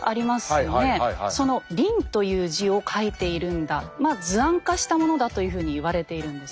その「麟」という字を書いているんだまあ図案化したものだというふうに言われているんです。